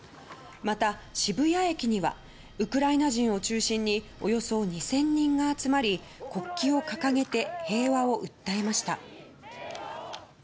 また渋谷駅にはウクライナ人を中心におよそ２０００人が集まり国旗を掲げて平和を訴えました。